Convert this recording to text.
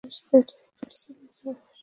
আমার সাথে ড্রিংক করবে, রিচার্ড?